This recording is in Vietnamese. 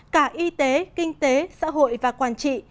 cả y tế kinh tế xã hội và quản trị